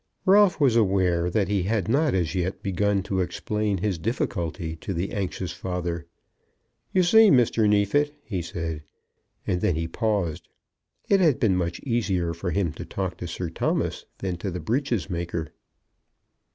Ralph was aware that he had not as yet begun to explain his difficulty to the anxious father. "You see, Mr. Neefit," he said, and then he paused. It had been much easier for him to talk to Sir Thomas than to the breaches maker.